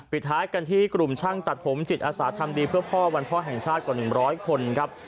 ท้ายกันที่กลุ่มช่างตัดผมจิตอาสาทำดีเพื่อพ่อวันพ่อแห่งชาติกว่า๑๐๐คนครับ